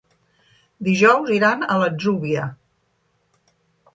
Dijous iran a l'Atzúbia.